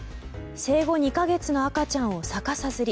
生後２か月の赤ちゃんを逆さづり。